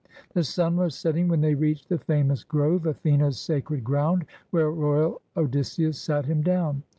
The sun was setting when they reached the famous grove, Athene's sacred ground, where royal Odysseus sat him down.